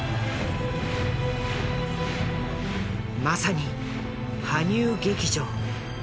まさに「羽生劇場」。